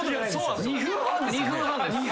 ２分半ですよね。